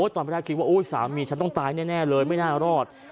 ตอนแรกคิดว่าสามีฉันต้องตายแน่เลยไม่น่ารอด